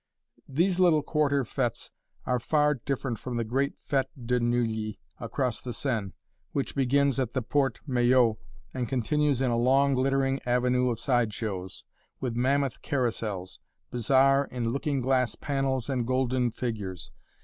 These little Quarter fêtes are far different from the great fête de Neuilly across the Seine, which begins at the Porte Maillot, and continues in a long, glittering avenue of side shows, with mammoth carousels, bizarre in looking glass panels and golden figures.